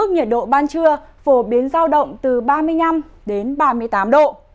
nhiệt độ ban trưa phổ biến giao động từ ba mươi năm đến ba mươi tám độ